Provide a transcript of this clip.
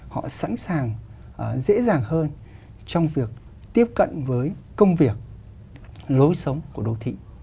họ sẵn sàng dễ dàng hơn trong việc tiếp cận với công việc lối sống của đô thị